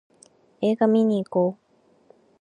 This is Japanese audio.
映画見にいこう